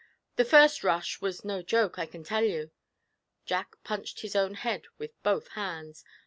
The first rush was no joke, I can tell you.' Jack punched his own head with both hands.